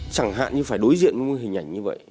chẳng hạn như phải đối diện với một hình ảnh như vậy